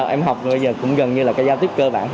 em học bây giờ cũng gần như là cái giao tiếp cơ bản